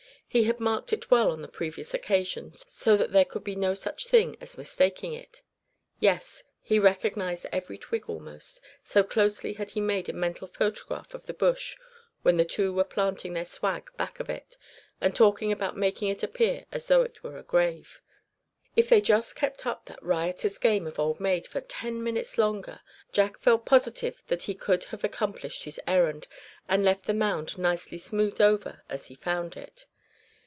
He had marked it well on the previous occasion, so that there could be no such thing as mistaking it. Yes, he recognized every twig almost, so closely had he made a mental photograph of the bush when the two were planting their "swag" back of it, and talking about making it appear as though it were a grave. If they just kept up that riotous game of "Old Maid" for ten minutes longer, Jack felt positive that he could have accomplished his errand, and left the mound nicely smoothed over as he found it.